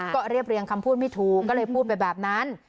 ก็เรียบเรียงคำพูดไม่ถูกก็เลยพูดไปแบบนั้น